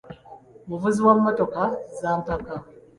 Muvuzi wa mmotoka za mpaka.